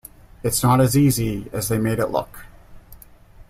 It's not as easy as they made it look.